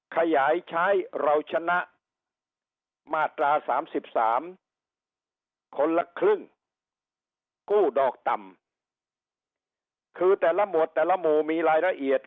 ขยายใช้เราชนะมาตรา๓๓คนละครึ่งกู้ดอกต่ำคือแต่ละหมวดแต่ละหมู่มีรายละเอียด